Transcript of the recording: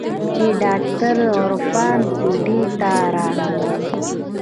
چې ډاکتر عرفان کوټې ته راننوت.